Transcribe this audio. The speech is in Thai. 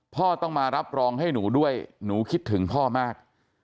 พ่อต้องมารับรองให้หนูด้วยหนูคิดถึงพ่อมาก